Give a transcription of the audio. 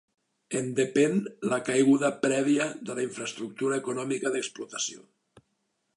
En depèn la caiguda prèvia de la infraestructura econòmica d'explotació.